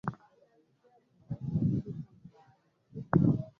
African-American and Hispanic enrollment doubled in his five years as president.